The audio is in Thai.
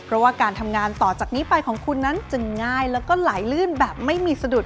เพราะว่าการทำงานต่อจากนี้ไปของคุณนั้นจะง่ายแล้วก็ไหลลื่นแบบไม่มีสะดุด